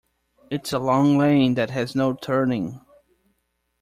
It's a long lane that has no turning.